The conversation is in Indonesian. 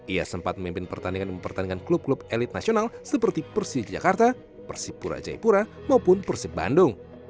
ia sempat memimpin pertandingan pertandingan klub klub elit nasional seperti persi jakarta persi purajai pura maupun persi bandung